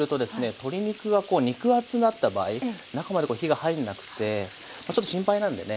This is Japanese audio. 鶏肉がこう肉厚だった場合中までこう火が入んなくてちょっと心配なんでね